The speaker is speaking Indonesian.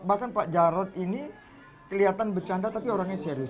bahkan pak jarod ini kelihatan bercanda tapi orangnya serius